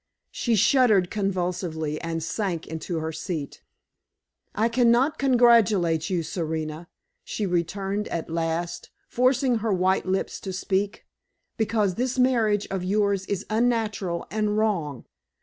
She shuddered convulsively and sank into a seat. "I cannot congratulate you, Serena," she returned, at last, forcing her white lips to speak, "because this marriage of yours is unnatural and wrong.